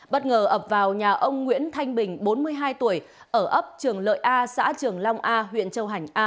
bất ngờ ập vào nhà ông nguyễn thanh bình bốn mươi hai tuổi ở ấp trường lợi a xã trường long a